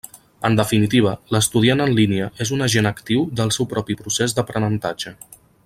En definitiva, l'estudiant en línia és un agent actiu del seu propi procés d'aprenentatge.